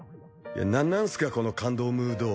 なんなんすかこの感動ムード。